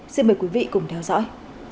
xin mời quý vị cùng theo dõi